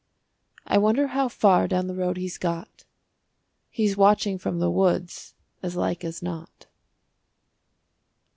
I wonder how far down the road he's got. He's watching from the woods as like as not.